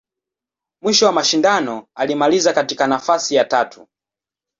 Mwisho wa mashindano, alimaliza katika nafasi ya tatu.